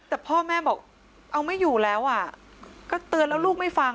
แต่พ่อแม่บอกเอาไม่อยู่แล้วก็เตือนแล้วลูกไม่ฟัง